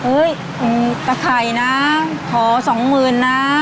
เอ้ยขอข่าว๒หมื่นนะ